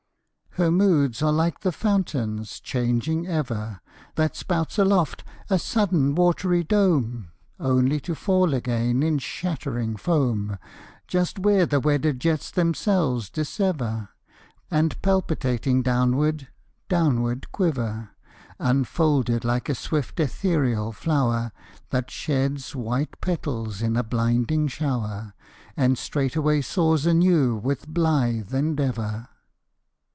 Her moods are like the fountain's, changing ever, That spouts aloft a sudden, watery dome, Only to fall again in shattering foam, Just where the wedded jets themselves dissever, And palpitating downward, downward quiver, Unfolded like a swift ethereal flower, That sheds white petals in a blinding shower, And straightway soars anew with blithe endeavor.